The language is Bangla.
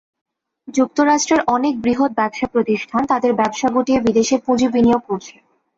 যুক্তরাষ্ট্রের অনেক বৃহৎ ব্যবসা প্রতিষ্ঠান তাদের ব্যবসা গুটিয়ে বিদেশে পুঁজি বিনিয়োগ করছে।